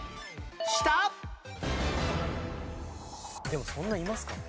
でもそんないますかね？